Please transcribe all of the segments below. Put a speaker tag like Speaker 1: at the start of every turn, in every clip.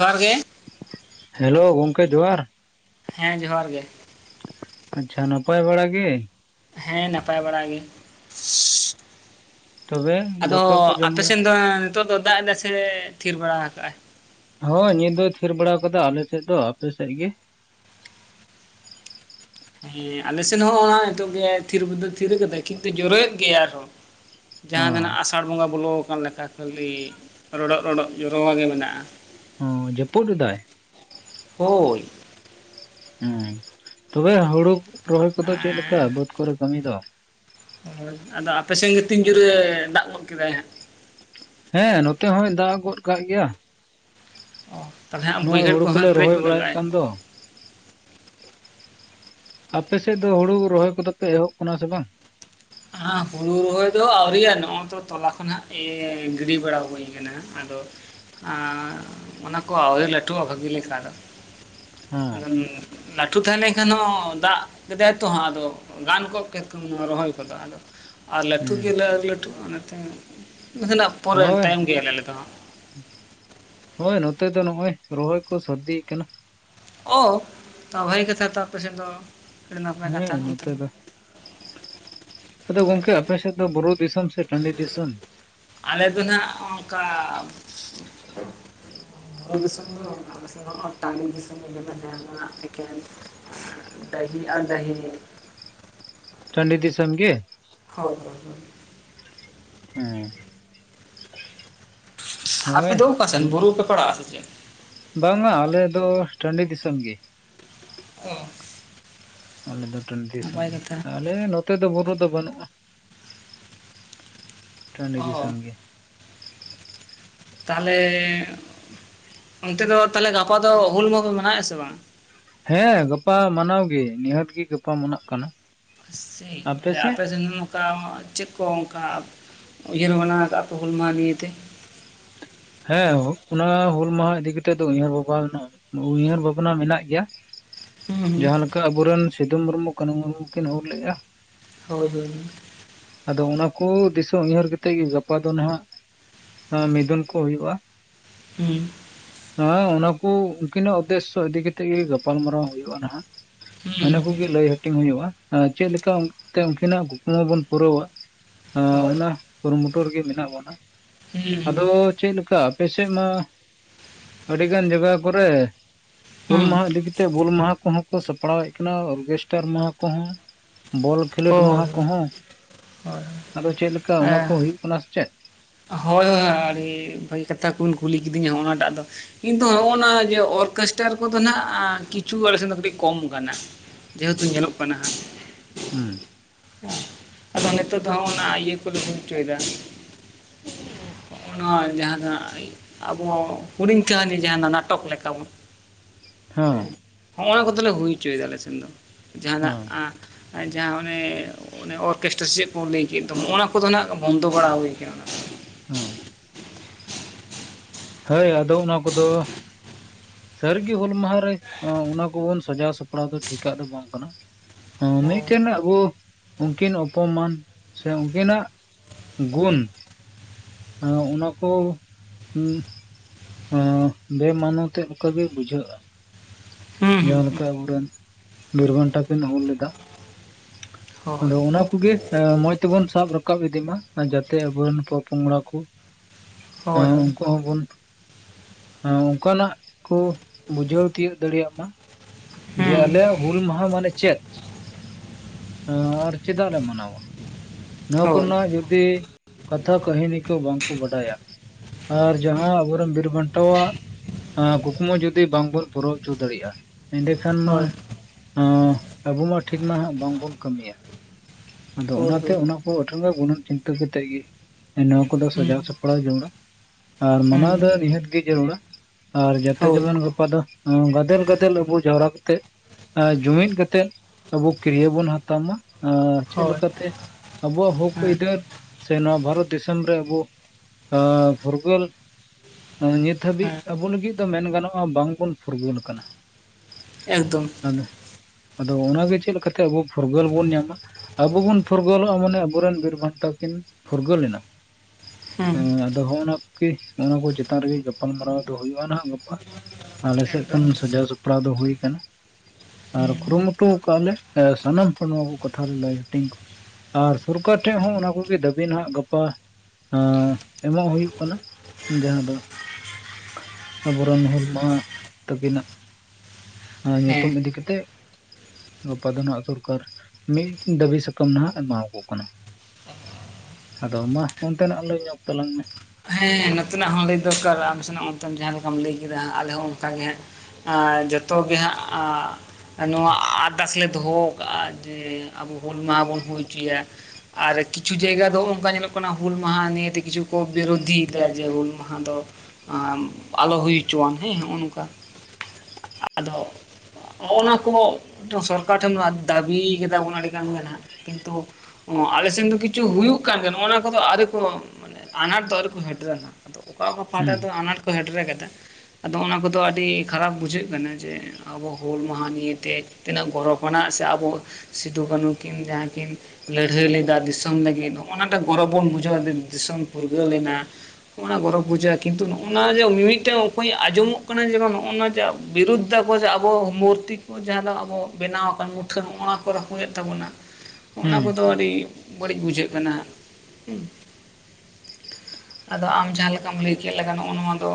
Speaker 1: ᱡᱚᱦᱟᱨ ᱜᱮ
Speaker 2: ᱦᱮᱞᱳ ᱜᱚᱝᱠᱮ ᱡᱚᱦᱟᱨ
Speaker 1: ᱦᱮᱸ ᱡᱚᱦᱟᱨ ᱜᱮ
Speaker 2: ᱟᱪᱪᱷᱟ ᱱᱟᱯᱟᱭ ᱵᱟᱲᱟ ᱜᱮ
Speaker 1: ᱦᱮᱸ ᱱᱟᱯᱟᱭ ᱵᱟᱲᱟ ᱜᱮ
Speaker 2: ᱛᱚᱵᱮ
Speaker 1: ᱟᱫᱚ
Speaker 2: ᱫᱟᱠᱟ ᱠᱚ ᱡᱚᱢ
Speaker 1: ᱟᱯᱮ
Speaker 2: ᱵᱟᱲᱟ
Speaker 1: ᱥᱮᱱ ᱫᱚ ᱱᱤᱛᱳᱜ ᱫᱚ ᱫᱟᱜᱽ ᱮᱫᱟᱭ ᱥᱮ ᱛᱷᱤᱨ ᱵᱟᱲᱟ ᱠᱟᱜᱼᱟᱭ᱾
Speaker 2: ᱦᱚᱭ ᱱᱤᱛ ᱫᱚᱭ ᱛᱷᱤᱨ ᱵᱟᱲᱟ ᱠᱟᱫᱟ ᱟᱞᱮ ᱥᱮᱫ ᱫᱚ ᱟᱯᱮᱥᱮᱜ ᱜᱮ
Speaker 1: ᱦᱮᱸ ᱟᱞᱮᱥᱮᱱ ᱦᱚᱸ ᱦᱚᱸᱜᱼᱟᱭ ᱱᱤᱛᱚᱜ ᱜᱮ ᱛᱷᱤᱨ ᱠᱚᱫᱚ ᱛᱷᱤᱨ ᱠᱟᱫᱟᱭ ᱠᱤᱱᱛᱩ ᱡᱚᱨᱚᱭᱮᱫ ᱜᱮᱭᱟ ᱟᱨᱦᱚᱸ ᱡᱟᱦᱟᱸ ᱫᱚ
Speaker 2: ᱦᱚᱸ
Speaker 1: ᱱᱟᱸᱜ ᱟᱥᱟᱲ ᱵᱚᱸᱜᱟ ᱵᱚᱞᱚᱣ ᱠᱟᱱ ᱞᱮᱠᱟ ᱠᱷᱟᱹᱞᱤ ᱨᱚᱰᱚᱜ ᱨᱚᱰᱚᱜ ᱡᱚᱨᱚᱣᱟ ᱜᱮ ᱢᱮᱱᱟᱜᱼᱟ᱾
Speaker 2: ᱚ ᱡᱟᱹᱯᱩᱫ ᱮᱫᱚᱭ
Speaker 1: ᱦᱳᱭ
Speaker 2: ᱦᱩᱸ ᱛᱚᱵᱮ ᱦᱳᱲᱩ ᱨᱚᱦᱚᱭ ᱠᱚᱫᱚ ᱪᱮᱜ ᱞᱮᱠᱟ ᱵᱟᱹᱫᱽ ᱠᱚᱨᱮ ᱠᱟᱹᱢᱤ ᱫᱚ
Speaker 1: ᱦᱳᱭ ᱟᱫᱚ ᱟᱯᱮ ᱥᱮᱝ ᱜᱮ ᱛᱤᱱ ᱡᱩᱨᱮ ᱫᱟᱜᱽ ᱜᱚᱫ ᱠᱮᱫᱟᱭ ᱦᱟᱸᱜ
Speaker 2: ᱦᱮᱸ ᱱᱚᱛᱮ ᱦᱚᱭ ᱫᱟᱜᱽ ᱜᱚᱰ ᱠᱟᱜ ᱜᱮᱭᱟ᱾
Speaker 1: ᱚ ᱛᱟᱦᱚᱞᱮ ᱦᱟᱸᱜ
Speaker 2: ᱱᱚᱜᱼᱚᱭ
Speaker 1: ᱵᱟᱹᱭᱦᱟᱹᱲ
Speaker 2: ᱦᱩᱲᱩ
Speaker 1: ᱠᱚᱦᱟᱸᱜ
Speaker 2: ᱠᱚᱞᱮ
Speaker 1: ᱯᱮᱨᱮᱡ
Speaker 2: ᱨᱚᱦᱚᱭ
Speaker 1: ᱜᱚᱫ
Speaker 2: ᱵᱟᱲᱟᱭᱮᱫ
Speaker 1: ᱠᱟᱜᱼᱟᱭ᱾
Speaker 2: ᱠᱟᱱ ᱫᱚ ᱟᱯᱮᱥᱮᱫ ᱫᱚ ᱦᱩᱲᱩ ᱨᱚᱦᱚᱭ ᱠᱚᱫᱚ ᱯᱮ ᱮᱦᱚᱵᱽ ᱠᱟᱱᱟ ᱥᱮ ᱵᱟᱝ
Speaker 1: ᱟ ᱦᱩᱲᱩ ᱨᱚᱦᱚᱭ ᱫᱚ ᱟᱹᱣᱨᱤᱟᱜ ᱱᱚᱜᱚᱭ ᱛᱚ ᱛᱚᱞᱟ ᱠᱷᱚᱱᱟᱜ ᱤᱭᱟ ᱜᱤᱰᱤ ᱵᱟᱲᱟ ᱦᱩᱭ ᱠᱟᱱᱟ ᱦᱟᱸᱜ ᱟᱫᱚ ᱟᱸ ᱚᱱᱟ ᱠᱚ ᱟᱹᱣᱨᱤ ᱞᱟᱹᱴᱩᱜᱼᱟ ᱵᱷᱟᱹᱜᱤ ᱞᱮᱠᱟ ᱫᱚ [unintelligible]
Speaker 2: ᱦᱮᱸ
Speaker 1: ᱞᱟᱹᱴᱷᱩ ᱛᱟᱦᱮᱸ ᱞᱮᱝᱠᱷᱟᱱ ᱦᱚᱸ ᱫᱟᱜᱽ ᱠᱮᱫᱟᱭ ᱛᱚ ᱦᱟᱸᱜ ᱟᱫᱚ ᱜᱟᱱ ᱠᱚᱜ ᱠᱮᱠ ᱨᱚᱦᱚᱭ ᱠᱚᱫᱚ ᱟᱫᱚ ᱟᱨ ᱞᱟᱹᱴᱷᱩ
Speaker 2: ᱦᱮᱸ
Speaker 1: ᱜᱮᱞᱮ ᱟᱣᱨᱤ ᱞᱟᱹᱴᱷᱩᱜᱼᱟ ᱚᱱᱟᱛᱮ ᱱᱟᱥᱮᱱᱟᱜ ᱯᱚᱨᱮᱱ
Speaker 2: ᱦᱳᱭ
Speaker 1: ᱛᱟᱭᱚᱢ ᱜᱮᱭᱟᱞᱮ ᱟᱞᱮ ᱫᱚ
Speaker 2: ᱦᱳᱭ ᱱᱚᱛᱮ ᱫᱚ ᱱᱚᱜᱼᱚᱭ ᱨᱚᱦᱚᱭ ᱠᱚ ᱥᱟᱨᱫᱤ ᱠᱟᱱᱟ
Speaker 1: ᱚ ᱛᱚ ᱵᱷᱟᱜᱮ ᱠᱟᱛᱷᱟ ᱛᱚ ᱟᱯᱮᱥᱮᱱ ᱫᱚ ᱟᱹᱰᱤ ᱱᱟᱯᱟᱭ
Speaker 2: ᱦᱮᱸ
Speaker 1: ᱠᱟᱛᱷᱟ ᱚᱱᱛᱮ
Speaker 2: ᱱᱚᱛᱮ
Speaker 1: ᱫᱚ
Speaker 2: ᱟᱫᱚ ᱜᱚᱝᱠᱮ ᱟᱯᱮᱥᱮᱫ ᱫᱚ ᱵᱩᱨᱩ ᱫᱤᱥᱚᱢ ᱥᱮ ᱴᱟᱺᱰᱤ ᱫᱤᱥᱚᱢ
Speaker 1: ᱟᱞᱮ ᱫᱚ ᱱᱟᱜ ᱚᱝᱠᱟ ᱵᱩᱨᱩ ᱫᱤᱥᱚᱢ ᱦᱚ ᱟᱞᱮᱥᱮᱱ ᱫᱚ ᱴᱟᱸᱰᱤ ᱫᱤᱥᱚᱢ ᱨᱮᱜᱮ ᱢᱮᱱᱟᱜ ᱞᱮᱭᱟ ᱮᱠᱷᱮᱱ ᱰᱟᱹᱦᱤ ᱟᱨ ᱰᱟᱹᱦᱤ
Speaker 2: ᱴᱟᱸᱰᱤ ᱫᱤᱥᱚᱢ ᱜᱮ
Speaker 1: ᱦᱳᱭ ᱦᱳᱭ ᱦᱳᱭ
Speaker 2: ᱦᱩᱸ
Speaker 1: ᱟᱯᱮ
Speaker 2: ᱦᱳᱭ
Speaker 1: ᱫᱚ ᱚᱠᱟᱥᱮᱱ
Speaker 2: ᱟᱞᱮ
Speaker 1: ᱵᱩᱨᱩ ᱯᱮ ᱯᱟᱲᱟᱜᱼᱟ ᱥᱮ ᱪᱮᱫ
Speaker 2: ᱵᱟᱝᱟ ᱟᱞᱮ ᱫᱚ ᱴᱟᱺᱰᱤ ᱫᱤᱥᱚᱢ ᱜᱮ
Speaker 1: ᱚ
Speaker 2: ᱟᱞᱮ ᱫᱚ ᱴᱟᱺᱰᱤ ᱫᱤᱥᱚᱢ
Speaker 1: ᱱᱟᱯᱟᱭ
Speaker 2: ᱜᱮ
Speaker 1: ᱠᱟᱛᱷᱟ
Speaker 2: ᱟᱞᱮ ᱱᱚᱛ ᱱᱚᱛᱮ ᱫᱚ ᱵᱩᱨᱩ ᱫᱚ ᱵᱟᱹᱱᱩᱜᱼᱟ ᱴᱟᱺᱰᱤ
Speaker 1: ᱚ
Speaker 2: ᱫᱤᱥᱚᱢ ᱜᱮ
Speaker 1: ᱛᱟᱦᱞᱮ ᱚᱱᱛᱮ ᱫᱚ ᱛᱟᱦᱚᱞᱮ ᱜᱟᱯᱟ ᱫᱚ ᱦᱩᱞ ᱢᱟᱸᱦᱟ ᱯᱮ ᱢᱮᱱᱟᱭᱮᱜᱼᱟ ᱟᱥᱮ ᱵᱟᱝ
Speaker 2: ᱦᱮᱸ ᱜᱟᱯᱟ ᱢᱟᱱᱟᱣ ᱜᱮ ᱱᱤᱦᱟᱹᱛ ᱜᱤ ᱜᱟᱯᱟ ᱢᱟᱱᱟᱜ ᱠᱟᱱᱟ᱾
Speaker 1: [unintelligible] ᱟᱯᱮ ᱥᱮᱱ ᱦᱚ ᱛᱟᱣ ᱪᱮᱫ ᱠᱚ ᱚᱱᱠᱟ ᱩᱭᱷᱟᱹᱨ ᱵᱷᱟᱵᱱᱟ ᱠᱟᱜ ᱟᱯᱮ ᱦᱩᱞ ᱢᱟᱦᱟ ᱱᱤᱭᱮ ᱛᱮ?
Speaker 2: ᱦᱮᱸ ᱚᱱᱟ ᱦᱩᱞ ᱢᱟᱸᱦᱟ ᱤᱫᱤ ᱠᱟᱛᱮᱫ ᱫᱚ ᱩᱭᱦᱟᱹᱨ ᱵᱷᱟᱵᱟᱣᱱᱟ, ᱩᱭᱷᱟᱹᱨ ᱵᱷᱟᱵᱽᱱᱟ ᱢᱮᱱᱟᱜ ᱜᱮᱭᱟ᱾
Speaker 1: ᱦᱩᱸ ᱦᱩᱸ
Speaker 2: ᱡᱟᱦᱟᱸ ᱞᱮᱠᱟ ᱟᱵᱚᱨᱮᱱ ᱥᱤᱫᱷᱩ ᱢᱩᱨᱢᱩ ᱠᱟᱹᱱᱩ ᱢᱩᱨᱢᱩ ᱠᱤᱱ ᱦᱩᱞ ᱞᱮᱫᱼᱟ᱾
Speaker 1: ᱦᱳᱭ ᱦᱳᱭ᱾
Speaker 2: ᱟᱫᱚ ᱚᱱᱟ ᱠᱚ ᱫᱤᱥᱟᱹ ᱩᱭᱦᱟᱹᱨ ᱠᱟᱛᱮᱜ ᱜᱮ ᱜᱟᱯᱟ ᱫᱚ ᱱᱟᱸᱜ ᱦᱮᱸ ᱢᱤᱫᱩᱱ ᱠᱚ ᱦᱩᱭᱩᱜᱼᱟ᱾
Speaker 1: [unintelligible]
Speaker 2: ᱦᱮᱸ ᱚᱱᱟ ᱠᱚ ᱩᱱᱠᱤᱱᱟᱜ ᱩᱫᱽᱫᱮᱥᱥᱚ ᱤᱫᱤ ᱠᱟᱛᱮᱜ ᱜᱮ ᱜᱟᱯᱟᱞᱢᱟᱨᱟᱣ ᱦᱩᱭᱩᱜᱼᱟ ᱱᱟᱦᱟᱜ᱾
Speaker 1: ᱦᱩᱸ
Speaker 2: ᱚᱱᱟ
Speaker 1: ᱦᱩᱸ,
Speaker 2: ᱠᱚᱜᱮ ᱞᱟᱹᱭ ᱦᱟᱹᱴᱤᱧ ᱦᱩᱭᱩᱜᱼᱟ᱾ ᱟ ᱪᱮᱫᱞᱮᱠᱟ ᱛᱮ ᱩᱱᱠᱤᱱᱟᱜ ᱠᱩᱠᱢᱩ ᱵᱚᱱ ᱯᱩᱨᱟᱹᱣᱟ᱾ ᱟᱸ
Speaker 1: ᱦᱳᱭ
Speaker 2: ᱚᱱᱟ ᱠᱩᱨᱩᱢᱩᱴᱩ ᱨᱮᱜᱮ ᱢᱮᱱᱟᱜ ᱵᱚᱱᱟ᱾
Speaker 1: ᱦᱩᱸ ᱦᱩᱸ
Speaker 2: ᱟᱫᱚ ᱪᱮᱫ ᱞᱮᱠᱟ ᱟᱯᱮ ᱥᱮᱫ ᱢᱟ ᱟᱹᱰᱤᱜᱟᱱ ᱡᱟᱜᱟ ᱠᱚᱨᱮ ᱦᱩᱞ
Speaker 1: ᱦᱩᱸ
Speaker 2: ᱢᱟᱦᱟ ᱤᱫᱤ ᱠᱮᱛᱮᱫ ᱵᱩᱞ ᱢᱟᱦᱟ ᱠᱚᱦᱚᱸ ᱠᱚ ᱥᱟᱯᱲᱟᱣᱮᱫ ᱠᱟᱱᱟ ᱚᱨᱠᱮᱥᱴᱟᱨ ᱢᱟᱦᱟ ᱠᱚᱦᱚᱸ, ᱵᱚᱞ ᱠᱷᱮᱞᱳᱰ
Speaker 1: ᱦᱳᱭ ᱦᱳᱭ
Speaker 2: ᱢᱟᱦᱟ ᱠᱚᱦᱚᱸ
Speaker 1: ᱦᱳᱭ ᱦᱳᱭ,
Speaker 2: ᱟᱫᱚ ᱪᱮᱫ ᱞᱮᱠᱟ ᱚᱱᱟ ᱠᱚ
Speaker 1: ᱮᱸ
Speaker 2: ᱦᱳᱭᱳᱜ ᱠᱟᱱᱟ ᱥᱮ ᱪᱮᱫ?
Speaker 1: ᱦᱳᱭ ᱦᱳᱭ ᱦᱳᱭ ᱟᱹᱰᱤ ᱵᱷᱟᱜᱤ ᱠᱟᱛᱷᱟ ᱠᱚᱵᱤᱱ ᱠᱩᱞᱤ ᱠᱤᱫᱤᱧᱟ ᱦᱚᱸᱜ-ᱚ ᱱᱟ ᱴᱟᱜ ᱫᱚ᱾ ᱠᱤᱱᱛᱩ ᱦᱚᱸᱜᱼᱚ ᱱᱟ ᱡᱮ ᱚᱨᱠᱮᱥᱴᱟᱨ ᱠᱚᱫᱚ ᱱᱟᱦᱟᱸᱜ ᱠᱤᱪᱷᱩ ᱟᱬᱮ ᱥᱮ ᱫᱚ ᱠᱟᱹᱴᱤᱡ ᱠᱚᱢ ᱠᱟᱱᱟ᱾ ᱡᱮᱦᱮᱛᱩ ᱧᱮᱞᱚᱜ ᱠᱟᱱᱟ ᱦᱟᱸᱜ
Speaker 2: ᱦᱩᱸ᱾
Speaker 1: ᱟᱫᱚ ᱱᱤᱛᱚᱜ ᱫᱚ ᱦᱚᱸᱜ-ᱱᱟ ᱤᱭᱟᱹ [unintelligible] ᱪᱚᱭᱫᱟ᱾ [inaudible] ᱦᱚᱸᱜ ᱱᱚᱣᱟ ᱡᱟᱦᱟᱸ ᱫᱚ ᱦᱟᱸᱜ ᱟᱵᱚ ᱦᱩᱰᱤᱧ ᱠᱟᱹᱦᱱᱤ ᱡᱟᱦᱟᱱᱟᱜ ᱱᱟᱴᱚᱠ ᱞᱮᱠᱟ ᱵᱚᱱ ᱦᱮᱸ ᱦᱚᱸᱜᱼᱱᱟ ᱱᱚᱣᱟ ᱠᱚᱫᱚᱞᱮ ᱦᱩᱭ ᱦᱚᱪᱚᱭᱮᱫᱟ ᱟᱞᱮ ᱥᱮᱱ ᱫᱚ ᱡᱟᱦᱱᱟᱜ
Speaker 2: ᱦᱮᱸ
Speaker 1: ᱟᱸ ᱟᱨ ᱡᱟᱦᱟᱸ ᱚᱱᱮ ᱚᱱᱮ ᱚᱨᱠᱮᱥᱴᱟᱨ ᱥᱮ ᱪᱮᱫ ᱵᱚ ᱞᱟᱹᱭ ᱠᱮᱫ ᱫᱚ ᱱᱚᱜᱼ ᱱᱚᱣᱟ ᱠᱚᱫᱚ ᱱᱟᱦᱟᱜ ᱵᱚᱱᱫᱚ ᱵᱟᱲᱟ ᱦᱩᱭ ᱠᱟᱱᱟ᱾
Speaker 2: ᱦᱮᱸ᱾
Speaker 1: [inaudible]
Speaker 2: ᱦᱟᱹᱭ ᱟᱫᱚ ᱚᱱᱟ ᱠᱚᱫᱚ ᱥᱟᱹᱨᱤᱜᱤ ᱦᱩᱞ ᱢᱟᱦᱟ ᱨᱮ ᱚᱱᱟ ᱠᱚᱵᱚᱱ ᱥᱟᱡᱟᱣ ᱥᱟᱯᱲᱟᱣ ᱫᱚ ᱴᱷᱤᱠᱟᱜ ᱫᱚ ᱵᱟᱝ ᱠᱟᱱᱟ᱾ ᱦᱮᱸ
Speaker 1: ᱠᱚ᱾
Speaker 2: ᱢᱤᱫᱴᱮᱱ ᱟᱵᱚ ᱩᱱᱠᱤᱱ ᱚᱯᱚᱢᱟᱱ, ᱥᱮ ᱩᱱᱠᱤᱱᱟᱜ ᱜᱩᱱ ᱟᱸ ᱚᱱᱟᱠᱚ ᱩᱢ ᱮᱸ ᱵᱮ-ᱢᱟᱱᱚᱛᱮᱜ ᱞᱮᱠᱟᱜᱮ ᱵᱩᱡᱷᱟᱹᱜᱼᱟ᱾
Speaker 1: ᱦᱩᱸ ᱦᱩᱸ
Speaker 2: ᱡᱟᱦᱟᱸ
Speaker 1: ᱦᱩᱸ
Speaker 2: ᱞᱮᱠᱟ ᱟᱵᱚᱨᱮᱱ ᱵᱤᱨᱵᱟᱱᱴᱟ ᱠᱤᱱ ᱦᱩᱞ ᱞᱮᱫᱟ,
Speaker 1: ᱦᱳᱭ
Speaker 2: ᱟᱫᱚ ᱚᱱᱟ ᱠᱚ ᱜᱮ ᱢᱚᱸᱡᱽ ᱛᱮᱵᱚᱱ ᱥᱟᱵ ᱨᱟᱠᱟᱵ ᱠᱟᱵ ᱤᱫᱤ ᱢᱟ ᱡᱟᱛᱮ ᱟᱵᱚ ᱨᱮᱱ ᱯᱚ-ᱯᱚᱜᱲᱟ ᱠᱚ
Speaker 1: ᱦᱳᱭ ᱦᱳᱭ
Speaker 2: ᱮᱸᱻ ᱩᱱᱠᱩ ᱦᱚ ᱚᱱᱠᱟᱱᱟᱜ ᱠᱚ ᱵᱩᱡᱷᱟᱹᱣ ᱛᱤᱭᱟᱹᱜ ᱫᱟᱲᱮᱭᱟᱜ ᱢᱟ᱾ ᱡᱮ,
Speaker 1: ᱦᱩᱸ
Speaker 2: ᱟᱞᱮᱭᱟᱜ ᱦᱩᱞ ᱢᱟᱦᱟ ᱢᱟᱱᱮ ᱪᱮᱫ? ᱟᱨ ᱪᱮᱫᱟᱜ ᱞᱮ ᱢᱟᱱᱟᱣᱟ? ᱱᱚᱣᱟ ᱠᱚᱨᱮᱱᱟᱜ ᱡᱩᱫᱤ ᱠᱟᱛᱷᱟ ᱠᱟᱹᱦᱤᱱᱤ ᱠᱚ ᱵᱟᱝᱠᱚ ᱵᱟᱰᱟᱭᱟ, ᱟᱨ ᱡᱟᱦᱟᱸ ᱟᱵᱚ ᱨᱮᱱ ᱵᱤᱨ ᱵᱟᱱᱴᱟᱣᱟᱜ ᱠᱩᱠᱢᱩ ᱡᱩᱫᱤ ᱵᱟᱝᱵᱚᱱ ᱯᱩᱨᱟᱹᱣ ᱪᱚ ᱫᱟᱲᱮᱭᱟᱜᱼᱟ ᱮᱸᱰᱮᱠᱷᱟᱱ ᱢᱟ ᱟᱵᱚ ᱢᱟ ᱴᱷᱤᱠ ᱢᱟ ᱦᱟᱸᱜ ᱵᱟᱝᱵᱚᱱ ᱠᱟᱹᱢᱤᱭᱟ᱾ ᱟᱫᱚ ᱚᱱᱟᱛᱮ ᱚᱱᱟ ᱠᱚ ᱟᱹᱰᱤ ᱜᱟᱱ ᱜᱩᱱᱟᱹᱱ ᱪᱤᱱᱛᱟᱹ ᱠᱟᱛᱮ ᱜᱮ ᱱᱚᱣᱟ ᱠᱚᱫᱚ ᱥᱟᱡᱟᱣ ᱥᱟᱯ ᱲᱟᱣ ᱡᱟᱹᱨᱩᱲᱟ, ᱟᱨ ᱢᱟᱱᱟᱣ ᱫᱚ ᱱᱤᱦᱟᱹᱛ ᱜᱮ ᱡᱟᱹᱨᱩᱲᱟ᱾ ᱟᱨ ᱡᱟᱛᱮ ᱡᱮᱢᱚᱱ ᱜᱟᱯᱟ ᱫᱚ ᱜᱟᱫᱮᱞ ᱜᱟᱫᱮᱞ ᱟᱹᱵᱩᱡ ᱡᱟᱣᱨᱟ ᱠᱟᱛᱮᱫ ᱟᱨ ᱡᱩᱢᱤᱫ ᱠᱟᱛᱮᱫ ᱟᱵᱚ ᱠᱨᱤᱭᱟᱹ ᱵᱚᱱ ᱦᱟᱛᱟᱣ ᱢᱟ᱾ ᱟᱨ ᱪᱮᱫ ᱞᱮᱠᱟᱛᱮ ᱟᱵᱚᱣᱟᱜ ᱦᱚᱠ ᱟᱹᱭᱫᱟᱹᱨ ᱥᱮ ᱱᱚᱣᱟ ᱵᱷᱟᱨᱚᱛ ᱫᱤᱥᱚᱢ ᱨᱮ ᱟᱵᱚ ᱟᱸᱻ ᱯᱷᱩᱨᱜᱟᱹᱞ ᱱᱤᱛ ᱦᱟᱹᱵᱤᱡ ᱟᱵᱚ ᱞᱟᱹᱜᱤᱫ ᱫᱚ ᱢᱮᱱ ᱜᱟᱱᱚᱜᱼᱟ, ᱵᱟᱝᱵᱚᱱ ᱯᱷᱩᱨᱜᱟᱹᱞ ᱟᱠᱟᱱᱟ᱾
Speaker 1: ᱮᱠᱫᱚᱢ᱾
Speaker 2: ᱟᱫᱚ, ᱟᱫᱚ ᱚᱱᱟᱜᱮ ᱪᱮᱫ ᱞᱮᱠᱟᱛᱮ ᱟᱵᱚ ᱯᱷᱩᱨᱜᱟᱹᱞ ᱵᱚᱱ ᱧᱟᱢᱟ? ᱟᱵᱚ ᱵᱚᱱ ᱯᱷᱩᱨᱜᱟᱹᱞᱚᱜᱼᱟ ᱢᱟᱱᱮ ᱟᱵᱚᱨᱮᱱ ᱵᱤᱨ ᱵᱟᱱᱴᱟ ᱠᱤᱱ ᱯᱷᱩᱨᱜᱟᱹᱞ ᱮᱱᱟ ᱦᱮᱸ ᱟᱫᱚ ᱦᱚᱸᱜᱼᱱᱟ ᱠᱚᱜᱮ ᱦᱚᱸᱜᱼᱱᱟ ᱠᱚ ᱪᱮᱛᱟᱱ ᱨᱮᱜᱮ ᱜᱟᱯᱟᱞᱢᱟᱨᱟᱣ ᱫᱚ ᱦᱩᱭᱩᱜᱼᱟ ᱱᱟᱦᱟᱜ ᱜᱟᱯᱟ ᱟᱞᱮ ᱥᱮᱫ ᱠᱷᱚᱱ ᱥᱟᱡᱟᱣ ᱥᱟᱯᱲᱟᱣ ᱫᱚ ᱦᱩᱭ ᱠᱟᱱᱟ ᱟᱨ
Speaker 1: ᱦᱩᱸ,
Speaker 2: ᱠᱩᱨᱩᱢᱩᱴᱩ ᱠᱟᱜ ᱞᱮ ᱥᱟᱱᱟᱢ ᱦᱚᱲ ᱱᱚᱣᱟ ᱠᱚ ᱠᱟᱛᱷᱟ ᱞᱟᱹᱭ ᱦᱟᱹᱴᱤᱧ [unintelligible] ᱟᱨ ᱥᱚᱨᱠᱟᱨ ᱴᱷᱮᱱ ᱦᱚᱸ ᱚᱱᱟ ᱠᱚᱜᱮ ᱫᱟᱹᱵᱤ ᱱᱟᱜ ᱜᱟᱯᱟ ᱮᱢᱚᱜ ᱦᱩᱭᱩᱜ ᱠᱟᱱᱟ ᱡᱟᱦᱟᱸ ᱫᱚ ᱟᱵᱚᱨᱮᱱ ᱦᱩᱞ ᱢᱟᱦᱟ ᱛᱟᱹᱠᱤᱱᱟᱜ ᱧᱩᱛᱩᱢ
Speaker 1: ᱦᱮᱸ,
Speaker 2: ᱤᱫᱤ ᱠᱟᱛᱮᱜ ᱜᱟᱯᱟ ᱫᱚ ᱦᱟᱸᱜ ᱥᱚᱨᱠᱟᱨ ᱢᱤᱫ ᱫᱟᱹᱵᱤ ᱥᱟᱠᱟᱢ ᱱᱟᱦᱟᱜ ᱮᱢᱟᱣᱟᱠᱚ ᱠᱟᱱᱟ᱾ ᱟᱫᱚ ᱢᱟ ᱚᱱᱛᱮᱱᱟᱜ ᱞᱟᱹᱭ ᱧᱚᱜ ᱛᱟᱞᱟᱝ ᱢᱮ?
Speaker 1: ᱦᱮᱸ ᱱᱚᱛᱮᱱᱟᱜ ᱦᱚᱸ ᱞᱟᱹᱭ ᱫᱚᱨᱠᱟᱨᱟ ᱟᱢ ᱥᱮᱱᱟᱜ ᱚᱱᱛᱮ ᱡᱟᱦᱟᱸ ᱞᱮᱠᱟᱢ ᱞᱟᱹᱭ ᱠᱮᱫᱟ ᱟᱞᱮ ᱦᱚᱸ ᱚᱱᱠᱟᱜᱮ ᱦᱟᱸᱜ ᱟᱸ, ᱡᱚᱛᱚ ᱜᱮ ᱦᱟᱸᱜ ᱟᱸ, ᱱᱚᱣᱟ ᱟᱨᱫᱟᱥ ᱞᱮ ᱫᱚᱦᱚ ᱠᱟᱜ-ᱟ ᱡᱮ ᱟᱵᱚ ᱦᱩᱞ ᱢᱟᱦᱟ ᱵᱚᱱ ᱦᱩᱭ ᱪᱚᱭᱟ᱾ ᱟᱨ ᱠᱤᱪᱷᱩ ᱡᱟᱭᱜᱟ ᱫᱚ ᱦᱚᱜᱚᱝᱠᱟ ᱧᱮᱞᱚᱜ ᱠᱟᱱᱟ ᱦᱩᱞ ᱢᱟᱦᱟ ᱱᱤᱭᱟᱹ ᱮᱛᱮ ᱠᱤᱪᱷᱩ ᱠᱚ ᱵᱤᱨᱳᱫᱷᱤ ᱫᱟ ᱡᱮ ᱦᱩᱞ ᱢᱟᱦᱟ ᱫᱚ ᱟᱞᱚ ᱦᱩᱭ ᱪᱚᱣᱟᱱ ᱦᱮᱸ ᱦᱚᱜ-ᱚ ᱱᱚᱝᱠᱟ ᱟᱫᱚ ᱦᱚᱸᱜ-ᱱᱟ ᱠᱚᱦᱚ ᱥᱚᱨᱠᱟᱨ ᱴᱷᱮᱱ ᱫᱟᱹᱵᱤ ᱠᱟᱫᱟ ᱵᱚᱱ ᱟᱹᱰᱤᱜᱟᱱ ᱜᱮ ᱦᱟᱸᱜ ᱠᱤᱱᱛᱩ ᱚ, ᱟᱞᱮ ᱥᱮᱱ ᱫᱚ ᱠᱤᱪᱷᱩ ᱦᱩᱭᱩᱜ ᱠᱟᱱ ᱜᱮ ᱱᱚᱜᱼᱱᱟ ᱠᱚᱫᱚ ᱟᱣᱨᱤ ᱠᱚ ᱢᱟᱱᱮ ᱟᱱᱟᱴ ᱫᱚ ᱟᱣᱨᱤ ᱠᱚ ᱦᱮᱵᱮᱨᱟ ᱟᱫᱚ ᱚᱠᱟ ᱚᱠᱟ
Speaker 2: ᱦᱩᱸ
Speaker 1: ᱯᱟᱦᱴᱟ ᱫᱚ ᱟᱱᱟᱴ ᱠᱚ ᱦᱮᱰᱮᱨ ᱠᱟᱫᱟ᱾ ᱟᱫᱚ ᱚᱱᱟ ᱠᱚᱫᱚ ᱟᱹᱰᱤ ᱠᱷᱟᱨᱟᱯ ᱵᱩᱡᱷᱟᱹᱜ ᱠᱟᱱᱟ ᱡᱮ ᱟᱵᱚ ᱦᱩᱞ ᱢᱟᱦᱟ ᱱᱤᱭᱮᱛᱮ ᱛᱤᱱᱟᱹᱜ ᱜᱚᱨᱚᱵᱽ ᱟᱱᱟᱜ ᱥᱮ ᱟᱵᱚ ᱥᱤᱫᱩ ᱠᱟᱹᱱᱩ ᱠᱤᱱ ᱡᱟᱦᱟᱸ ᱠᱤᱱ ᱞᱟᱹᱲᱦᱟᱹᱭ ᱞᱮᱫᱟ ᱫᱤᱥᱚᱢ ᱞᱟᱹᱜᱤᱫ, ᱱᱚᱜᱼᱚ ᱱᱟᱴᱟᱜ ᱜᱚᱨᱚᱵᱽ ᱵᱚᱱ ᱵᱩᱡᱷᱟᱹᱣᱟ ᱫᱤᱥᱚᱢ ᱯᱷᱩᱨᱜᱟᱹᱞ ᱞᱮᱱᱟ᱾ ᱜᱚᱨᱚᱵᱽ ᱵᱩᱡᱷᱟᱹᱜᱼᱟ, ᱠᱤᱱᱛᱩ ᱱᱚᱜᱼᱱᱟ ᱡᱮ ᱢᱤᱫᱴᱮᱱ ᱚᱠᱚᱭ ᱟᱸᱡᱚᱢᱚᱜ ᱠᱟᱱᱟ ᱡᱮ ᱵᱟᱝ ᱱᱚᱜᱼᱱᱟ ᱡᱮ ᱵᱤᱨᱩᱫᱽ ᱫᱟ ᱠᱚ ᱡᱮ ᱟᱵᱚ ᱟᱵᱚ ᱢᱩᱨᱛᱤ ᱠᱚ ᱡᱟᱦᱟᱸ ᱫᱚ ᱟᱵᱚ ᱵᱮᱱᱟᱣ ᱟᱠᱟᱱ ᱢᱩᱴᱷᱟᱹᱱ ᱚᱱᱟ ᱠᱚ ᱨᱟᱯᱩᱜ ᱮᱜ ᱛᱟᱵᱚᱱᱟ ᱾ ᱚᱱᱟ
Speaker 2: ᱦᱩᱸ
Speaker 1: ᱠᱚᱫᱚ ᱟᱹᱰᱤ ᱵᱟᱹᱲᱤᱡ ᱵᱩᱡᱷᱟᱹᱜ ᱠᱟᱱᱟ ᱦᱮᱸ, ᱟᱫᱚ ᱟᱢ ᱡᱟᱦᱟᱸ ᱞᱮᱠᱟᱢ ᱞᱟᱹᱭ ᱠᱮᱫ ᱞᱮᱠᱟ ᱱᱚᱜᱼᱚ ᱱᱚᱣᱟ ᱫᱚ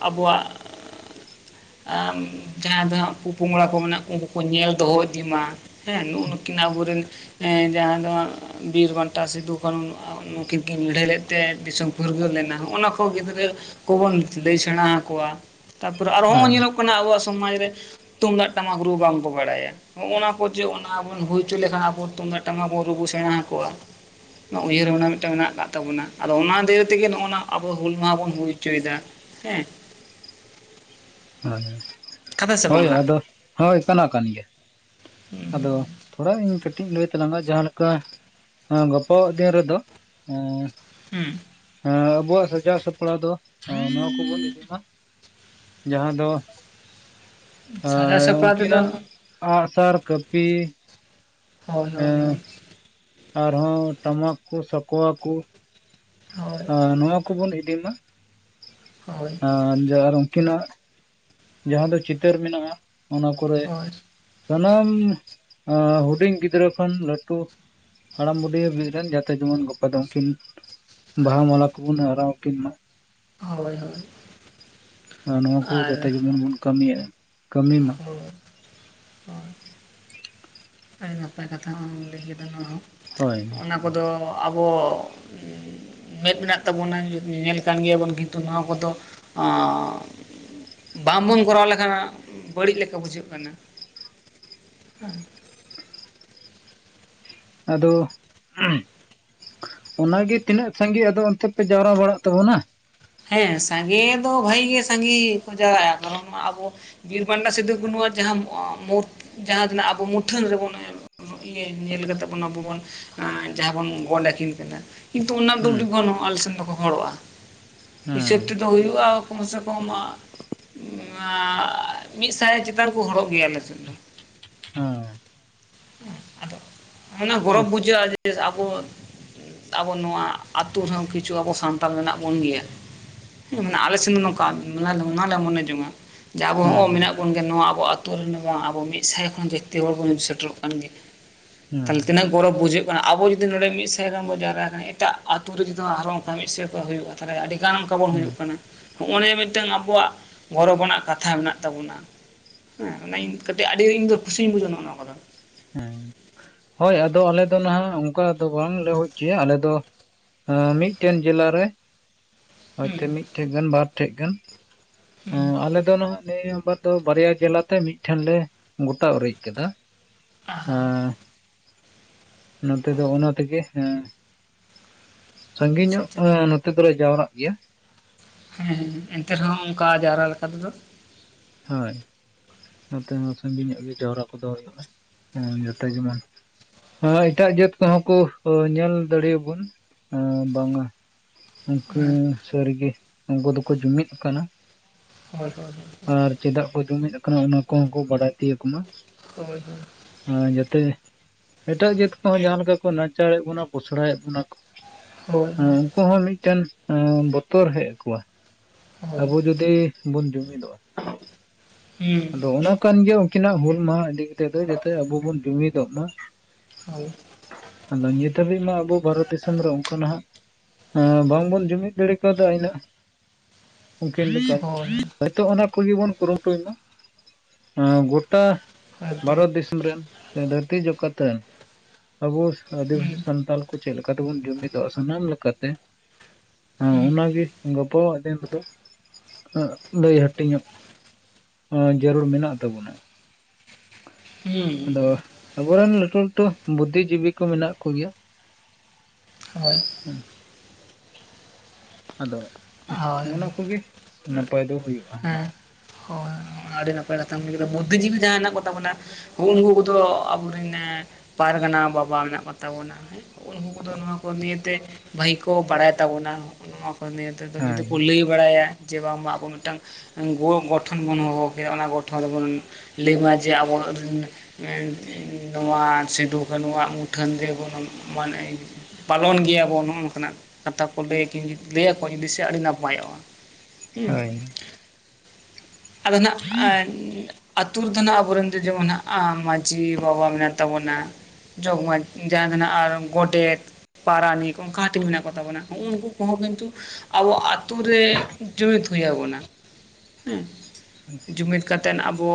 Speaker 1: ᱟᱵᱚᱣᱟᱜ ᱡᱟᱦᱟᱸᱭ ᱫᱚ ᱦᱟᱸᱜ ᱯᱚ ᱯᱚᱝᱲᱟ ᱠᱚ ᱢᱮᱱᱟᱜ ᱩᱱᱠᱩ ᱠᱚ ᱧᱮᱞ ᱫᱚᱦᱚ ᱤᱫᱤ ᱢᱟ᱾ ᱦᱮᱸ ᱱᱩᱜᱼᱱᱩᱠᱤᱱ ᱟᱵᱚᱨᱮᱱ ᱦᱮᱸ ᱡᱟᱦᱟᱸ ᱫᱚ ᱵᱤᱨ ᱜᱟᱱᱴᱟ ᱥᱤᱫᱩ ᱠᱟᱹᱱᱩ ᱱᱩᱠᱤᱱ ᱠᱤᱱ ᱞᱟᱹᱲᱦᱟᱹᱭ ᱞᱮᱫ ᱛᱮ ᱫᱤᱥᱚᱢ ᱯᱷᱩᱨᱜᱟᱹᱞ ᱞᱮᱱᱟ ᱦᱚᱜᱼ ᱱᱟ ᱠᱚ ᱜᱤᱫᱽᱨᱟᱹ ᱠᱚᱵᱚᱱ ᱞᱟᱹᱭ ᱥᱮᱬᱟ ᱟᱠᱚᱣᱟ᱾ ᱛᱟᱯᱚᱨᱮ ᱟᱨᱦᱚ ᱦᱚᱸᱜᱼᱚᱭ
Speaker 2: ᱦᱳᱭ
Speaker 1: ᱧᱮᱞᱚᱜ ᱠᱟᱱᱟ ᱟᱵᱚᱣᱟᱜ ᱥᱚᱢᱟᱡ ᱨᱮ ᱛᱩᱢᱫᱟᱜ ᱴᱟᱢᱟᱠ ᱨᱩ ᱵᱟᱝ ᱠᱚ ᱵᱟᱲᱟᱭᱟ᱾ ᱦᱚᱜᱼ ᱱᱟ ᱠᱚ ᱡᱮ ᱚᱱᱟ ᱵᱚᱱ ᱦᱩᱭ ᱦᱚᱪᱚ ᱞᱮᱠᱷᱟᱱ ᱟᱵᱚ ᱛᱩᱢᱫᱟᱜ ᱴᱟᱢᱟᱠ ᱵᱚᱱ ᱨᱩᱵᱚ ᱥᱮᱬᱟ ᱟᱠᱚᱣᱟ᱾ ᱚᱱᱟ ᱩᱭᱦᱟᱹᱨ ᱨᱮ ᱚᱱᱟ ᱢᱤᱫᱴᱟᱝ ᱢᱮᱱᱟᱜ ᱠᱟᱜ ᱛᱟᱵᱚᱱᱟ᱾ ᱟᱫᱚ ᱚᱱᱟ ᱫᱤᱭᱮ ᱛᱮᱜᱮ ᱱᱚᱜᱼ ᱱᱟ ᱟᱵᱚ ᱦᱩᱞ ᱢᱟᱦᱟ ᱵᱚᱱ ᱦᱩᱭ ᱪᱚᱭᱫᱟ ᱦᱮᱸ
Speaker 2: ᱦᱳᱭ,
Speaker 1: ᱠᱟᱛᱷᱟ ᱥᱮ ᱵᱟᱝ
Speaker 2: ᱦᱳᱭ,
Speaker 1: ᱦᱟᱸᱜ
Speaker 2: ᱟᱫᱚ ᱦᱳᱭ, ᱠᱟᱱᱟ ᱠᱟᱱ ᱜᱮᱭᱟ᱾
Speaker 1: ᱦᱩᱸ ᱦᱩᱸ
Speaker 2: ᱟᱫᱚ ᱛᱷᱚᱲᱟ ᱤᱧ ᱠᱟᱹᱴᱤᱡ ᱤᱧ ᱞᱟᱹᱭ ᱛᱟᱞᱟᱝᱟ ᱡᱟᱦᱟᱸᱞᱮᱠᱟ? ᱦᱮᱸ ᱜᱟᱯᱟ ᱟᱜ ᱫᱤᱱ ᱨᱮᱫᱚ ᱮ,
Speaker 1: ᱦᱮᱸ [unintelligible]
Speaker 2: ᱦᱮᱸ ᱟᱵᱚᱣᱟᱜ ᱥᱟᱡᱟᱣ ᱥᱟᱯᱲᱟᱣ ᱫᱚ ᱱᱚᱣᱟ ᱠᱚᱵᱵᱱ ᱤᱫᱤᱢᱟ᱾ ᱡᱟᱦᱟᱸ ᱫᱚ ᱟᱨ ᱩᱱᱠᱤᱱᱟᱜ ᱟᱸᱜᱥᱟᱨ ᱠᱟᱹᱯᱤ
Speaker 1: ᱦᱳᱭ, ᱦᱳᱭ, ᱦᱳᱭ,
Speaker 2: ᱟᱨᱦᱚᱸ ᱴᱟᱢᱟᱠ ᱠᱚ ᱥᱟᱠᱟᱣᱟᱠᱚ ᱱᱚᱣᱟ ᱠᱚᱵᱚᱱ ᱤᱫᱤ ᱢᱟ᱾
Speaker 1: ᱦᱳᱭ
Speaker 2: ᱦᱮᱸ, ᱡᱟᱨ ᱩᱱᱠᱤᱱᱟᱜ ᱡᱟᱦᱟᱸ ᱫᱚ ᱪᱤᱛᱟᱹᱨ ᱢᱮᱱᱟᱜᱼᱟ ᱚᱱᱟ ᱠᱚᱨᱮ
Speaker 1: ᱦᱳᱭ
Speaker 2: ᱥᱟᱱᱟᱢ ᱦᱩᱰᱤᱧ ᱜᱤᱫᱽᱨᱟᱹ ᱠᱷᱚᱱ ᱞᱟᱹᱴᱩ ᱦᱟᱲᱟᱢ ᱵᱩᱰᱷᱤ ᱦᱟᱹᱵᱤᱡ ᱨᱮᱱ ᱡᱟᱛᱮ ᱡᱮᱢᱚᱱ ᱜᱟᱯᱟ ᱫᱚ ᱩᱱᱠᱤᱱ ᱵᱟᱦᱟ ᱢᱟᱞᱟ ᱠᱚᱵᱩᱱ ᱟᱨᱟᱣ ᱟᱠᱤᱱ ᱢᱟ᱾
Speaker 1: ᱦᱳᱭ, ᱦᱳᱭ,
Speaker 2: ᱟᱨ ᱱᱚᱣᱟ ᱠᱚ
Speaker 1: ᱟᱨ
Speaker 2: ᱡᱟᱛᱮ ᱡᱮᱢᱚᱱ ᱵᱚᱱ ᱠᱟᱹᱢᱤᱭᱟ ᱠᱟᱹᱢᱤ ᱢᱟ
Speaker 1: ᱦᱚᱸ ᱟᱨ ᱟᱹᱰᱤ ᱱᱟᱯᱟᱭ ᱠᱟᱛᱷᱟ ᱦᱚᱢ ᱞᱟᱹᱭ ᱠᱮᱫᱟ ᱱᱚᱣᱟ ᱦᱚ
Speaker 2: ᱦᱳᱭ,
Speaker 1: ᱟᱵᱚ ᱫᱚ ᱟᱵᱚ ᱢᱮᱸᱫ ᱢᱮᱱᱟᱜ ᱛᱟᱵᱚᱱᱟ ᱧᱮᱧᱮᱞ ᱠᱟᱱ ᱜᱮᱭᱟᱵᱚᱱ ᱠᱤᱱᱛᱩ ᱱᱚᱣᱟ ᱠᱚᱫᱚ ᱟᱸ, ᱵᱟᱝᱵᱚᱱ ᱠᱚᱨᱟᱣ ᱞᱮᱠᱷᱟᱱ ᱦᱟᱸᱜ ᱵᱟᱹᱲᱤᱡ ᱞᱮᱠᱟ ᱵᱩᱡᱷᱟᱹᱜ ᱠᱟᱱᱟ᱾ ᱦᱮᱸ
Speaker 2: ᱟᱫᱚ ᱚᱱᱟᱜᱮ ᱛᱤᱱᱟᱹᱜ ᱥᱟᱸᱜᱮ ᱟᱫᱚ ᱚᱱᱛᱮ ᱯᱮ ᱡᱟᱣᱨᱟ ᱵᱟᱲᱟᱜ ᱛᱟᱵᱚᱱᱟ?
Speaker 1: ᱦᱮᱸ ᱥᱟᱸᱜᱮ ᱫᱚ ᱵᱷᱟᱹᱜᱮ ᱜᱮ ᱥᱟᱸᱜᱮ ᱠᱚ ᱡᱟᱣᱟᱜᱼᱟ ᱠᱟᱨᱚᱱ ᱟᱵᱚ ᱵᱤᱨ ᱵᱟᱱᱴᱟ ᱥᱤᱫᱩᱼᱠᱱᱩᱣᱟᱜ ᱡᱟᱦᱟᱸ ᱢᱩᱨ ᱡᱟᱦᱟᱸ ᱨᱮᱱᱟᱜ ᱟᱵᱚ ᱢᱩᱴᱷᱟᱹᱱ ᱨᱮᱵᱚᱱ ᱮᱢ ᱤᱛᱟᱹ ᱧᱮᱞ ᱠᱟᱛᱮᱫ ᱵᱚᱱ ᱟᱵᱚ ᱵᱚᱱ ᱮᱸᱻ ᱡᱟᱦᱟᱸ ᱵᱚᱱ ᱜᱚᱰ ᱟᱹᱠᱤᱱ ᱠᱟᱱᱟ ᱠᱤᱱᱛᱩ ᱚᱱᱟ ᱫᱚ
Speaker 2: ᱦᱮᱸ
Speaker 1: ᱟᱹᱰᱤ ᱜᱟᱱ ᱜᱮ ᱟᱞᱮᱥᱮᱱ ᱫᱚᱠᱚ ᱦᱚᱲᱚᱜᱼᱟ, ᱦᱤᱥᱟᱹᱵ
Speaker 2: ᱦᱮᱸ
Speaker 1: ᱛᱮᱫᱚ ᱦᱩᱭᱩᱜᱼᱟ ᱠᱚᱢ ᱥᱮ ᱠᱚᱢ ᱟᱸᱻ ᱢᱤᱫ ᱥᱟᱭ ᱪᱮᱛᱟᱱ ᱨᱮᱠᱚ ᱦᱚᱲᱚᱜ ᱜᱮᱭᱟ ᱟᱞᱮ ᱥᱮᱱ
Speaker 2: ᱦᱮᱸ
Speaker 1: ᱟᱫᱚ ᱚᱱᱟᱮ ᱜᱚᱨᱚᱵᱽ ᱵᱩᱡᱷᱟᱹᱜᱼᱟ ᱡᱮ ᱟᱵᱚ ᱟᱵᱚ ᱱᱚᱣᱟ ᱟᱹᱛᱩ ᱨᱮᱦᱚᱸ ᱠᱤᱪᱷᱩ ᱟᱵᱚ ᱥᱟᱱᱛᱟᱲ ᱢᱮᱱᱟᱜ ᱵᱚᱱ ᱜᱮᱭᱟ ᱟᱞᱮ ᱥᱮᱱ ᱫᱚ ᱱᱚᱝᱠᱟᱱ ᱱᱚᱣᱟᱞᱮ ᱢᱚᱱᱮ ᱡᱚᱝᱟ ᱡᱮ ᱟᱵᱚ
Speaker 2: ᱦᱮᱸ
Speaker 1: ᱦᱚᱸᱜᱼᱚ
Speaker 2: ᱦᱮᱸ
Speaker 1: ᱢᱮᱱᱟᱜ ᱵᱚᱱ ᱜᱮᱭᱟ ᱱᱚᱣᱟ ᱟᱵᱚ ᱟᱛᱩᱨ ᱨᱮᱱ ᱵᱟᱝ ᱟᱵᱚ ᱢᱤᱫ ᱥᱟᱭ ᱠᱷᱚᱱ ᱡᱟᱹᱥᱛᱤ ᱦᱚᱲ ᱵᱚᱱ ᱥᱮᱴᱮᱨᱚᱜ ᱠᱟᱱ ᱜᱮᱭᱟ ᱛᱟᱦᱞᱮ
Speaker 2: ᱦᱮᱸ
Speaker 1: ᱛᱤᱱᱟᱹᱜ ᱜᱚᱨᱚᱵᱽ ᱵᱩᱡᱷᱟᱹᱜ ᱠᱟᱱᱟ, ᱟᱵᱚ ᱡᱩᱫᱤ ᱱᱚᱰᱮ ᱢᱤᱫ ᱥᱟᱭ ᱜᱟᱱ ᱵᱚᱱ ᱡᱟᱣᱨᱟᱭ ᱠᱟᱱᱟ ᱮᱴᱟᱜ ᱟᱛᱩ ᱨᱮ ᱡᱩᱫᱤ ᱟᱨᱚ ᱢᱤᱫ ᱥᱟᱭ ᱠᱚ ᱦᱩᱭᱩᱜᱼᱟ ᱛᱟᱦᱞᱮ ᱟᱹᱰᱤ ᱜᱟᱱ ᱚᱱᱠᱟ ᱵᱚᱱ
Speaker 2: ᱦᱮᱸ
Speaker 1: ᱦᱩᱭᱩᱜ ᱠᱟᱱᱟ ᱦᱚᱸᱜᱼᱚ ᱱᱤᱭᱟᱹ ᱢᱤᱫᱴᱟᱝ ᱟᱵᱚᱣᱟᱜ ᱜᱚᱨᱚᱵᱱᱟᱜ ᱠᱟᱛᱷᱟ ᱢᱮᱱᱟᱜ ᱛᱟᱵᱚᱱᱟ ᱦᱮᱸ ᱚᱱᱟ ᱤᱧ ᱠᱟᱹᱴᱤᱡ ᱟᱹᱰᱤ ᱤᱧ ᱫᱚ ᱠᱩᱥᱤᱧ ᱵᱩᱡᱟ ᱱᱚᱜ-ᱚ ᱱᱚᱣᱟ ᱠᱚᱫᱚ
Speaker 2: ᱦᱩᱸ ᱦᱳᱭ ᱟᱫᱚ ᱟᱞᱮ ᱫᱚ ᱱᱟᱦᱟᱜ ᱚᱝᱠᱟ ᱫᱚ ᱵᱟᱝᱞᱮ ᱦᱩᱭ ᱦᱚᱪᱚᱭᱟ ᱟᱞᱮ ᱫᱚ ᱮᱸ ᱢᱤᱫᱴᱮᱱ ᱡᱮᱞᱟ ᱨᱮ
Speaker 1: ᱦᱩᱸ
Speaker 2: ᱦᱚᱳᱭᱛᱚ ᱢᱤᱫᱴᱷᱮᱡ ᱜᱟᱱ ᱵᱟᱨ ᱴᱷᱮᱡ ᱜᱟᱱ
Speaker 1: ᱦᱩᱸ
Speaker 2: ᱟᱞᱮ ᱫᱚ ᱱᱟᱦᱟᱜ ᱱᱤᱭᱟᱹ ᱵᱟᱨ ᱫᱚ ᱵᱟᱨᱭᱟ ᱡᱮᱞᱟᱛᱮ ᱢᱤᱫᱴᱷᱮᱱ ᱞᱮ ᱜᱚᱴᱟ ᱩᱨᱤᱡ ᱠᱟᱫᱟ,
Speaker 1: ᱟᱦᱟ
Speaker 2: ᱮᱸᱻ [inaudible] ᱱᱚᱛᱮ ᱫᱚ ᱚᱱᱟ ᱛᱮᱜᱮ ᱦᱮᱸ
Speaker 1: ᱟᱪᱪᱷᱟ
Speaker 2: ᱥᱟᱺᱜᱤᱧᱚᱜ
Speaker 1: ᱟᱪᱪᱷᱟ
Speaker 2: ᱜᱮ ᱱᱚᱛᱮ ᱫᱚᱞᱮ ᱡᱟᱣᱨᱟᱜ ᱜᱮᱭᱟ
Speaker 1: ᱦᱩᱸ ᱚᱱᱛᱮ ᱦᱚᱸ ᱚᱱᱠᱟ ᱡᱟᱣᱨᱟ ᱞᱮᱠᱟ ᱛᱮᱫᱚ
Speaker 2: ᱦᱳᱭ ᱚᱱᱟᱛᱮ ᱦᱚᱸ ᱥᱟᱺᱜᱤᱧ ᱧᱚᱜ ᱜᱮ ᱡᱟᱣᱨᱟ ᱠᱚᱫᱚ ᱦᱩᱭᱩᱜᱼᱟ ᱡᱟᱛᱮ ᱡᱮᱢᱚᱱ ᱦᱮᱸ ᱮᱴᱟᱜ ᱡᱟᱹᱛ ᱠᱚᱦᱚᱸ ᱠᱚ ᱧᱮᱞ ᱫᱟᱲᱮᱭᱟᱵᱚᱱ ᱵᱟᱝᱢᱟ ᱩᱱᱠᱩ
Speaker 1: ᱦᱮᱸ
Speaker 2: ᱥᱟᱹᱨᱤᱜᱮ ᱩᱱᱠᱩ ᱫᱚᱠᱚ ᱡᱩᱢᱤᱫ ᱠᱟᱱᱟ
Speaker 1: ᱦᱚᱭ ᱦᱚᱭ ᱦᱚᱭ
Speaker 2: ᱟᱨ ᱪᱮᱫᱟᱜ ᱠᱚ ᱡᱚᱢᱮᱫ ᱟᱠᱟᱱᱟ ᱚᱱᱟ ᱠᱚᱦᱚᱸ ᱠᱚ ᱵᱟᱰᱟᱭ ᱛᱤᱭᱟᱹᱜᱽ ᱢᱟ
Speaker 1: ᱦᱳᱭ ᱦᱳᱭ
Speaker 2: ᱟᱨ ᱡᱟᱛᱮ ᱮᱴᱟᱜ ᱡᱟᱹᱛ ᱠᱚᱦᱚᱸ ᱡᱟᱦᱟᱸ ᱞᱮᱠᱟ ᱠᱚ ᱱᱟᱪᱟᱨᱮᱫ ᱵᱚᱱᱟ ᱯᱚᱥᱲᱟᱭᱮᱫ ᱵᱚᱱᱟ ᱠᱚ
Speaker 1: ᱦᱳᱭ ᱦᱳᱭ
Speaker 2: ᱩᱱᱠᱩ ᱦᱚᱸ ᱢᱤᱫᱴᱮᱱ ᱵᱚᱛᱚᱨ ᱦᱮᱡ ᱟᱠᱚᱣᱟ
Speaker 1: ᱦᱳᱭ
Speaker 2: ᱟᱵᱚ ᱡᱩᱫᱤ ᱵᱚᱱ ᱡᱩᱢᱤᱫᱚᱜᱼᱟ
Speaker 1: ᱦᱩᱸ
Speaker 2: ᱟᱫᱚ ᱚᱱᱟ ᱠᱟᱱ ᱜᱮᱭᱟ ᱩᱱᱠᱤᱱᱟᱜ ᱦᱩᱞ ᱢᱟᱦᱟ ᱤᱫᱤ ᱠᱟᱛᱮᱜ ᱫᱚ ᱡᱟᱛᱮ ᱟᱵᱚ ᱵᱚᱱ ᱡᱩᱢᱤᱫᱚᱜ ᱢᱟ
Speaker 1: ᱦᱳᱭ
Speaker 2: ᱟᱫᱚ ᱱᱤᱛ ᱦᱟᱹᱵᱤᱡ ᱢᱟ ᱟᱵᱚ ᱵᱷᱟᱨᱚᱛ ᱫᱤᱥᱚᱢ ᱨᱮ ᱚᱱᱠᱟ ᱱᱟᱜ ᱦᱮᱸ ᱵᱟᱝᱵᱚᱱ ᱡᱩᱢᱤᱫ ᱫᱟᱲᱮ ᱠᱟᱣᱫᱟ ᱤᱱᱟᱹᱜ ᱩᱱᱠᱤᱱ ‌ᱞᱮᱠᱟ
Speaker 1: ᱦᱳᱭ
Speaker 2: ᱦᱳᱭᱛᱳ ᱚᱱᱟ ᱠᱚᱜᱮ ᱵᱚᱱ ᱠᱩᱨᱩᱢᱩᱴᱩᱭ ᱢᱟ ᱦᱮᱸ ᱜᱚᱴᱟ
Speaker 1: ᱮᱠᱫᱚᱢ
Speaker 2: ᱵᱷᱟᱨᱚᱛ ᱫᱤᱥᱚᱢ ᱨᱮᱱ, ᱫᱷᱟᱹᱨᱛᱤ ᱡᱟᱠᱟᱛ ᱨᱮᱱ ᱟᱵᱚ ᱟᱹᱫᱤᱵᱟᱹᱥᱤ
Speaker 1: ᱦᱩᱸ
Speaker 2: ᱥᱟᱱᱛᱟᱞ ᱠᱚ ᱪᱮᱫ ᱞᱮᱠᱟ ᱛᱮᱵᱚᱱ ᱡᱩᱢᱤᱫᱚᱜᱼᱟ ᱥᱟᱱᱟᱢ ᱞᱮᱠᱟᱛᱮ ᱦᱮᱸ
Speaker 1: ᱦᱩᱸ
Speaker 2: ᱚᱱᱟ ᱜᱮ [unintelligible] ᱞᱟᱹᱭ ᱦᱟᱹᱴᱤᱧ ᱮᱸᱻ ᱡᱟᱹᱨᱩᱲ ᱢᱮᱱᱟᱜ ᱛᱟᱵᱚᱱᱟ
Speaker 1: ᱦᱩᱸ
Speaker 2: ᱚᱱᱟ ᱟᱵᱚ ᱨᱮᱱ ᱞᱟᱹᱴᱩ ᱞᱟᱹᱴᱩ ᱵᱩᱫᱽᱫᱷᱤ ᱡᱤᱵᱤ ᱠᱚ ᱢᱮᱱᱟᱜ ᱠᱚᱜᱮᱭᱟ
Speaker 1: [unintelligible]
Speaker 2: ᱦᱮᱸ ᱟᱫᱚ
Speaker 1: ᱟᱨ
Speaker 2: ᱚᱱᱟ ᱠᱚᱜᱮ ᱱᱟᱯᱟᱭ ᱫᱚ ᱦᱩᱭᱩᱜᱼᱟ ᱦᱟᱸᱜ
Speaker 1: ᱦᱮᱸ ᱦᱳᱭ ᱟᱹᱰᱤ ᱱᱟᱯᱟᱭ ᱠᱟᱛᱷᱟᱢ ᱞᱟᱹᱭ ᱠᱟᱫᱟ, ᱵᱩᱫᱽᱫᱷᱤ ᱡᱤᱵᱤ ᱡᱟᱦᱟᱸᱭ ᱦᱮᱱᱟᱜ ᱠᱚᱛᱟ ᱵᱚᱱᱟ ᱦᱳᱭ ᱩᱱᱠᱩ ᱠᱚᱫᱚ ᱟᱵᱚᱨᱮᱱ ᱯᱟᱨᱜᱟᱱᱟ ᱵᱟᱵᱟ ᱢᱮᱱᱟᱜ ᱠᱚᱛᱟ ᱵᱚᱱᱟ ᱩᱱᱠᱩ ᱫᱚ ᱱᱚᱣᱟ ᱠᱚ ᱱᱤᱭᱮᱛᱮ ᱵᱷᱟᱜᱤ ᱠᱚ ᱵᱟᱲᱟᱭ ᱛᱟᱵᱚᱱᱟ ᱱᱚᱣᱟ ᱠᱚ ᱱᱤᱭᱮᱛᱮ ᱫᱚ ᱡᱩᱫᱤ
Speaker 2: ᱦᱮᱸ
Speaker 1: ᱠᱚ ᱞᱟᱹᱭ ᱵᱟᱲᱟᱭᱟ ᱡᱮ ᱵᱟᱝᱢᱟ ᱟᱵᱚ ᱢᱤᱫᱴᱟᱝ ᱜᱩᱣᱟᱹ ᱜᱚᱴᱷᱚᱱ ᱵᱚᱱ ᱦᱚᱦᱚ ᱠᱮᱭᱟ ᱚᱱᱟ ᱜᱚᱴᱷᱚᱱ ᱨᱮ ᱵᱚᱱ ᱞᱟᱹᱭ ᱢᱟ ᱡᱮ ᱟᱵᱚ ᱨᱤᱱ ᱱᱚᱣᱟ ᱥᱤᱫᱩ ᱠᱟᱹᱱᱩ ᱣᱟᱜ ᱢᱩ ᱴᱷᱟᱹᱱ [unintelligible] ᱢᱟᱱᱮ ᱯᱟᱞᱚᱱ ᱜᱮᱭᱟ ᱵᱚᱱ ᱱᱚᱜᱼᱚ ᱱᱚᱝᱠᱟᱱᱟᱜ ᱠᱟᱛᱷᱟ ᱠᱚ ᱞᱟᱹᱭ [unintelligible] [unintelligible] ᱦᱩ [unintelligible] ᱟᱹᱰᱤ ᱱᱟᱯᱟᱭᱚᱜᱼᱟ᱾ ᱦᱮᱸ
Speaker 2: ᱦᱳᱭ
Speaker 1: ᱟᱫᱚ ᱱᱟᱜ ᱮᱱ ᱟᱹᱛᱩ ᱨᱮᱫᱚ ᱱᱟᱜ ᱟᱵᱚ ᱨᱮᱱ ᱫᱚ ᱡᱮᱢᱚᱱ ᱦᱟᱜ-ᱟ ᱢᱟᱹᱡᱷᱤ ᱵᱟᱵᱟ ᱢᱮᱱᱟᱭ ᱛᱟᱵᱚᱱᱟ᱾ ᱡᱚᱜᱽ ᱢᱟᱡᱷᱤ [unintelligible] ᱟᱨ ᱜᱚᱰᱮᱛ ᱯᱟᱨᱟᱱᱤᱠ ᱚᱱᱠᱟ ᱦᱟᱴᱤᱧ ᱢᱮᱱᱟᱜ ᱠᱚᱛᱟ ᱵᱚᱱᱟ᱾ ᱦᱚᱜ ᱱᱩᱠᱩ ᱠᱚᱦᱚᱸ ᱠᱤᱱᱛᱩ ᱟᱵᱚ ᱟᱛᱳ ᱨᱮ ᱡᱩᱢᱤᱫ ᱦᱩᱭ ᱟᱵᱚᱱᱟ ᱦᱮᱸ᱾ ᱡᱩᱢᱤᱫ ᱠᱟᱛᱮᱫ ᱟᱵᱚ